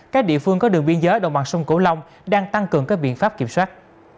các địa phương có đường biên giới đồng bằng sông cửu long đang tăng cường các biện pháp kiểm soát